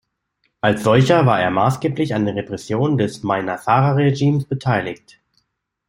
Als solcher war er maßgeblich an den Repressionen des Maïnassara-Regimes beteiligt.